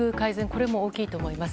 これも大きいと思います。